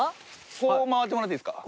これを伸ばしてもらっていいですか？